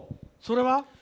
それは？